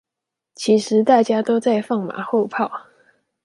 其實大家都在放馬後炮！